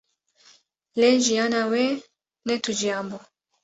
Lê jiyana wê ne tu jiyan bû